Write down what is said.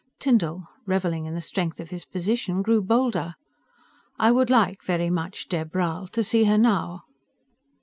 Tyndall, reveling in the strength of his position, grew bolder. "I would like very much, Dheb Rhal, to see her now."